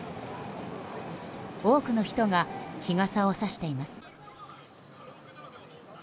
多くの人が日傘をさしています。